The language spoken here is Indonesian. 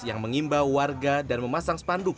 yang mengimbau warga dan memasang spanduk